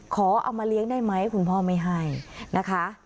ขอเอามาเลี้ยงได้ไหมคุณพ่อไม่ให้นะคะ